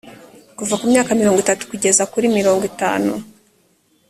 kuva ku myaka mirongo itatu kugeza kuri mirngo itanu